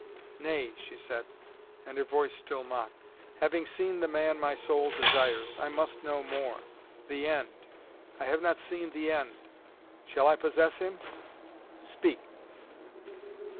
"Nay," she said, and her voice still mocked. "Having seen the man my soul desires, I must know more. The end! I have not seen the end! Shall I possess him? Speak!"